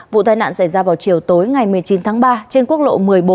vụ tai nạn xảy ra vào chiều tối ngày một mươi chín tháng ba trên quốc lộ một mươi bốn